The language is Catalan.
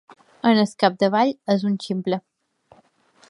Al capdavall és un ximple.